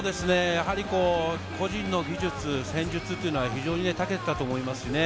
個人の技術、戦術というのは非常に長けていたと思います。